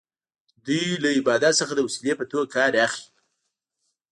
دوی له عبادت څخه د وسیلې په توګه کار اخلي.